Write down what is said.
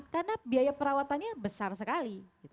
karena biaya perawatannya besar sekali